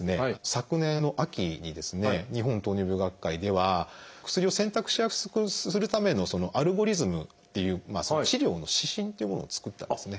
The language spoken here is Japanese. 昨年の秋にですね日本糖尿病学会では薬を選択しやすくするためのアルゴリズムっていう治療の指針っていうものを作ったんですね。